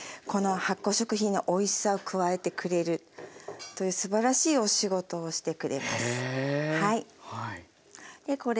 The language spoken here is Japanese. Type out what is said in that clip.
発酵食品のおいしさを加えてくれるというすばらしいお仕事をしてくれます。